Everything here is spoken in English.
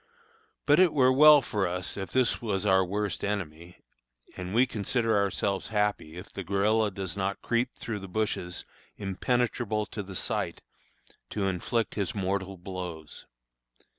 But it were well for us if this was our worst enemy, and we consider ourselves happy if the guerilla does not creep through bushes impenetrable to the sight, to inflict his mortal blows.